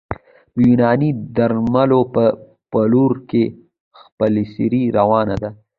د یوناني درملو په پلور کې خپلسري روانه ده